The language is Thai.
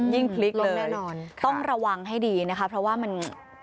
ยิ่งพลิกเลยต้องระวังให้ดีนะคะเพราะว่ามัน